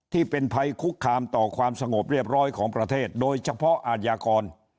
ที่เป็นภัยคุกคามต่อความสงบเรียบร้อยของประเทศโดยเฉพาะอาทยากร